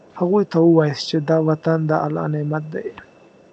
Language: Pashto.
هغوی ته ووایاست چې دا وطن د الله نعمت دی.